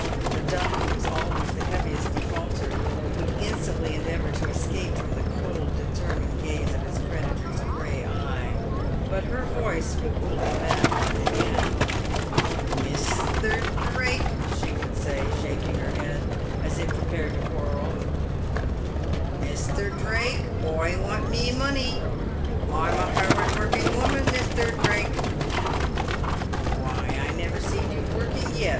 The Duck, who was always the heaviest defaulter, would instantly endeavour to escape from the cold, determined gaze of his creditor's grey eye ; but her voice would pull him back like a hand. "Misther Drake !" she would say, shaking her head as if prepared to quarrel —" Misther Drake, oi want mee monee. Oi'm a harrud worrucking woman, Misther Drake." "Why, I never seed you working vet!"